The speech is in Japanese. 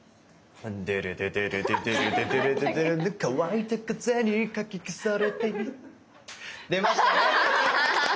デレデデレデデレデデレデデレデ「乾いた風にかき消されて」出ましたね。